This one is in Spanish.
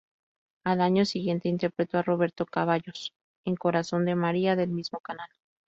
Al año siguiente, interpretó a Roberto Ceballos en "Corazón de María" del mismo canal.